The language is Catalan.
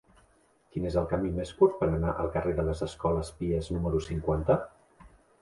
Quin és el camí més curt per anar al carrer de les Escoles Pies número cinquanta?